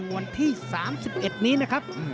วันที่๓๑นี้นะครับ